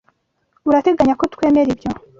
Urateganya ko twemera ibyo?